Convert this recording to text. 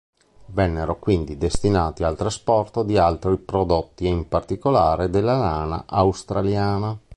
Vennero quindi destinati al trasporto di altri prodotti e in particolare della lana australiana.